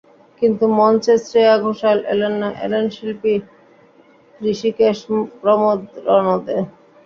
কিন্তু মঞ্চে শ্রেয়া ঘোষাল এলেন না, এলেন শিল্পী হৃষিকেশ প্রমোদ রনদে।